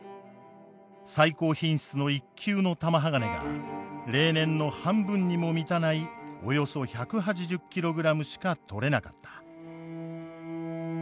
最高品質の一級の玉鋼が例年の半分にも満たないおよそ１８０キログラムしかとれなかった。